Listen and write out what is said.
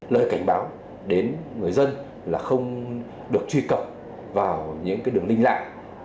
lời cảnh báo đến người dân là không được truy cập vào những đường linh lạc